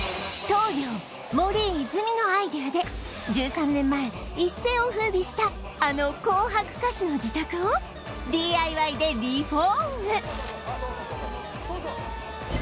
棟梁森泉のアイデアで１３年前一世を風靡したあの『紅白』歌手の自宅を ＤＩＹ でリフォーム